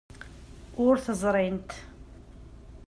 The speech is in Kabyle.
Ur t-ẓrint.